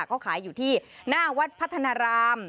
ก็ขายอยู่ที่หน้าวัดพัฒนาราม